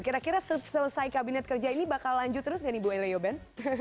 kira kira selesai kabinet kerja ini bakal lanjut terus nggak ibu eleo ben